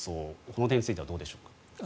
この点についてはどうでしょう。